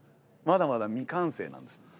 まだまだ未完成なんです。